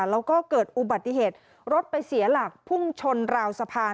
แล้วก็เกิดอุบัติเหตุรถไปเสียหลักพุ่งชนราวสะพาน